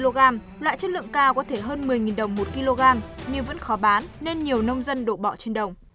log loại chất lượng cao có thể hơn một mươi đồng một kg nhưng vẫn khó bán nên nhiều nông dân đổ bọ trên đồng